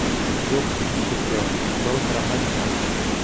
Юҡ, Сципион, был драматик сәнғәт.